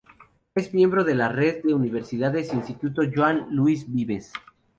Es miembro de la Red de Universidades Instituto Joan Lluís Vives.